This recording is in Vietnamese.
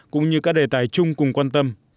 cũng như các đề tài chung cùng quan tâm